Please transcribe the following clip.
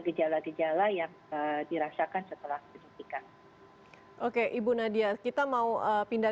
gejala gejala yang dirasakan setelah penyuntikan oke ibu nadia kita mau pindah